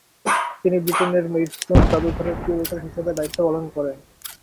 তিনি বৃটেনের মেইডস্টোন জাদুঘরের কিউরেটর হিসেবে দায়িত্ব পালন করেন।